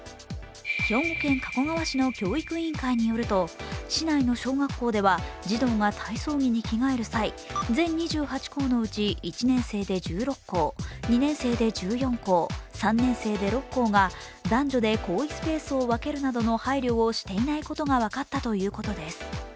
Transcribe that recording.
兵庫県加古川市の教育委員会によると、市内の小学校では児童が体操着に着替える際、全２８校のうち１年生で１６校、２年生で１４校、３年生で６校で男女で更衣スペースを分けるなどの配慮をしていないことが分かったということです。